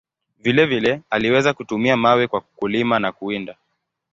Vile vile, aliweza kutumia mawe kwa kulima na kuwinda.